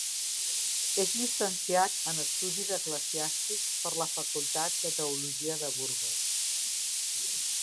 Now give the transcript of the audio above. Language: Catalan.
És llicenciat en Estudis Eclesiàstics per la Facultat de Teologia de Burgos.